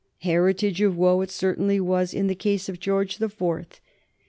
Heritage of woe it certainly was in the case of George the Fourth.